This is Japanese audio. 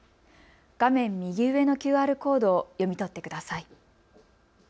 画面右上のＱＲコードを読み取ってください。